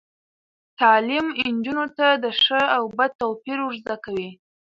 تعلیم نجونو ته د ښه او بد توپیر ور زده کوي.